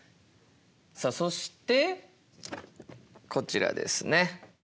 さあそしてこちらですね。